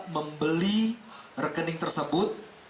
membeli rekening tersebut